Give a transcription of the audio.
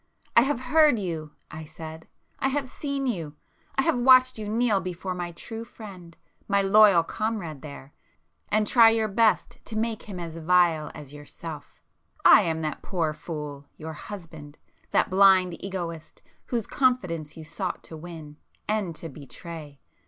"I have heard you!" I said—"I have seen you! I have watched you kneel before my true friend, my loyal comrade there, and try your best to make him as vile as yourself! I am that poor fool, your husband,—that blind egoist whose confidence you sought to win—and to betray!